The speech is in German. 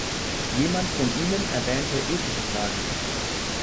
Jemand von Ihnen erwähnte ethische Fragen.